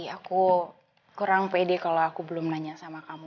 aku kurang pede kalau aku belum nanya sama kamu